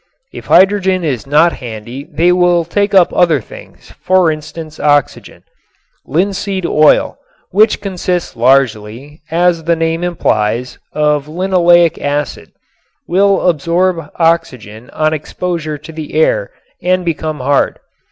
If hydrogen is not handy they will take up other things, for instance oxygen. Linseed oil, which consists largely, as the name implies, of linoleic acid, will absorb oxygen on exposure to the air and become hard.